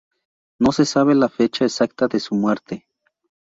No se sabe la fecha exacta de su muerte.